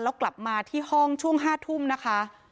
แล้วกลับมาที่ห้องช่วง๕ทุ่มนะคะ